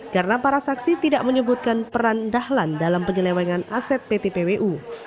karena para saksi tidak menyebutkan peran dahlan dalam penyelewengan aset ptpwu